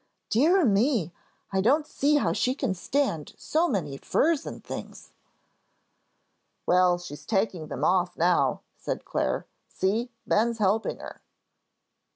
"Dear me, I don't see how she can stand so many furs and things." "Well, she's taking them off, now," said Clare. "See, Ben's helping her."